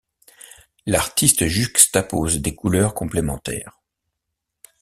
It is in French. L'artiste juxtapose des couleurs complémentaires.